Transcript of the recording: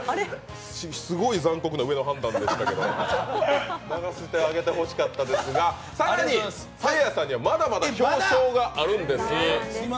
すごい残酷な上の判断でしたけど流してあげてほしかったですが更に、せいやさんにはまだまだ表彰があるんです！